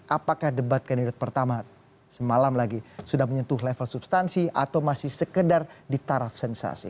apakah debat kandidat pertama semalam lagi sudah menyentuh level substansi atau masih sekedar ditaraf sensasi